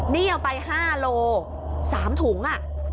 นี่เอาไป๕โล๓ถุง